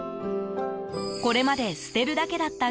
これまで捨てるだけだった